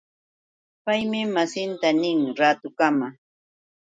Paymi masinta nin: Raatukama.